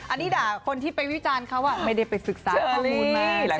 อันนี้ด่าคนที่ไปวิจารณ์เขาไม่ได้ไปศึกษาข้อมูล